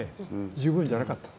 十分じゃなかったと。